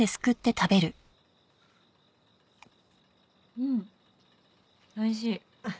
うんおいしい。